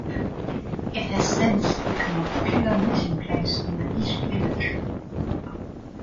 It has since become a popular meeting place in the East Village.